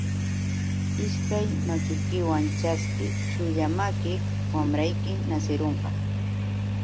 Ishkay makikiwan ćhaskiy, chulla maki wamrayki nasirunqa.